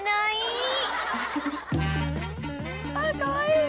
ああかわいい！